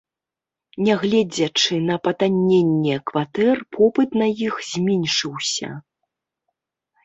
Нягледзячы на патанненне кватэр, попыт на іх зменшыўся.